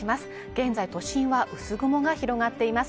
現在都心は薄雲が広がっています。